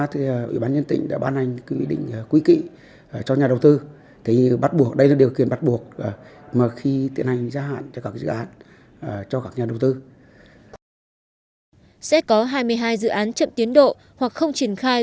sẽ có hai mươi hai dự án chậm tiến độ hoặc không triển khai